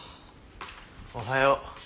おはよう。